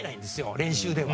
練習では。